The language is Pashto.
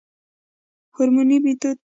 هورموني ميتود